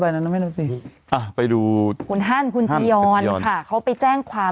ใบนั้นนะแม่น้ำสิอ่ะไปดูคุณฮั่นคุณจียอนค่ะเขาไปแจ้งความ